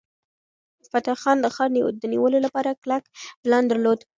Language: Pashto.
فتح خان د ښار د نیولو لپاره کلک پلان درلود.